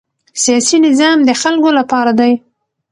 سیاسي نظام د خلکو لپاره دی